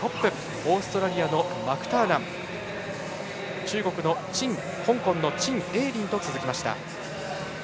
オーストラリアのマクターナン香港の陳睿琳と続きました。